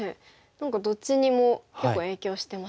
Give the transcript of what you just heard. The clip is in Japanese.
何かどっちにも結構影響してますね。